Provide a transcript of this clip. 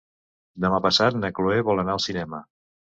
Demà passat na Cloè vol anar al cinema.